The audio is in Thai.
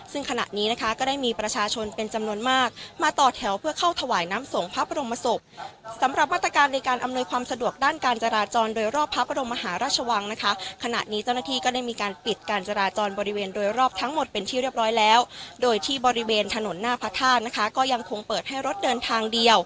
ซึ่งขณะนี้นะคะก็ได้มีประชาชนเป็นจำนวนมากมาต่อแถวเพื่อเข้าถวายน้ำส่งพระบรมศพสำหรับมาตรการในการอำนวยความสะดวกด้านการจราจรโดยรอบพระบรมมหาราชวังนะคะขณะนี้เจ้าหน้าที่ก็ได้มีการปิดการจราจรบริเวณโดยรอบทั้งหมดเป็นที่เรียบร้อยแล้วโดยที่บริเวณถนนหน้าพระธาตุนะคะก็ยังคงเปิดให้รถเดินทางเดียว